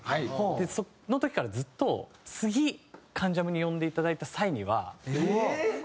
その時からずっと次『関ジャム』に呼んでいただいた際には。